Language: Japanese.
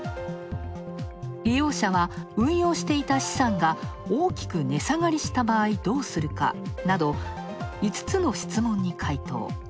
利用者は、「運用していた資産が大きく値下がりした場合どうするか？」など５つの質問に回答。